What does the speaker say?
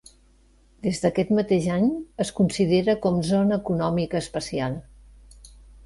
Des d'aquest mateix any es considera com zona econòmica especial.